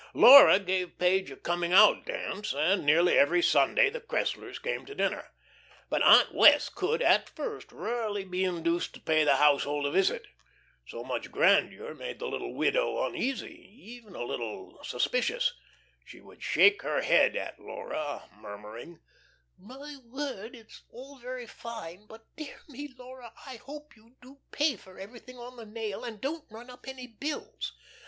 Laura gave Page a "coming out" dance, and nearly every Sunday the Cresslers came to dinner. But Aunt Wess' could, at first, rarely be induced to pay the household a visit. So much grandeur made the little widow uneasy, even a little suspicious. She would shake her head at Laura, murmuring: "My word, it's all very fine, but, dear me, Laura, I hope you do pay for everything on the nail, and don't run up any bills.